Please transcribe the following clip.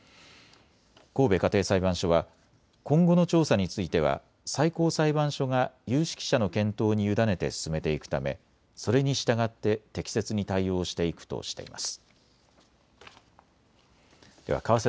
神戸家庭裁判所は今後の調査については最高裁判所が有識者の検討に委ねて進めていくためそれに従って適切に対応していくとしています。